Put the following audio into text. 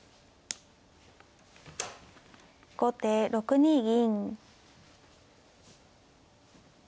後手６二銀。